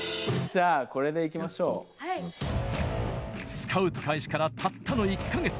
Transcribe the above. スカウト開始からたったの１か月。